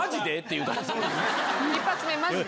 一発目「マジで？」。